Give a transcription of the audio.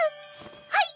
はい！